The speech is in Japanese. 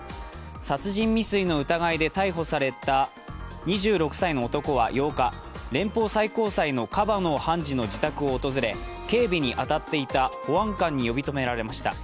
殺人未遂の疑いで逮捕された２６歳の男は８日、連邦最高裁のカバノー判事の自宅を訪れ、警備に当たっていた保安官に呼び止められました。